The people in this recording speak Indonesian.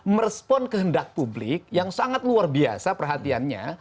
merespon kehendak publik yang sangat luar biasa perhatiannya